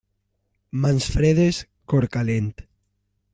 Mans fredes, cor calent.